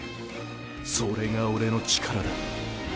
それが俺の力だ。